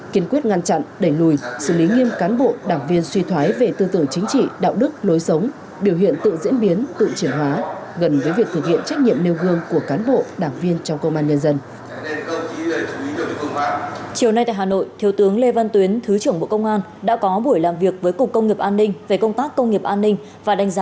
kiên quyết ngăn chặn đẩy lùi xử lý nghiêm cán bộ đảng viên suy thoái về tư tử chính trị đạo đức lối sống biểu hiện tự diễn biến tự triển hóa gần với việc thực hiện trách nhiệm nêu gương của cán bộ đảng viên trong công an nhân dân